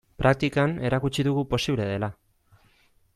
Praktikan erakutsi dugu posible dela.